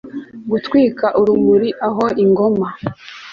Gutwika urumuri aho Ingoma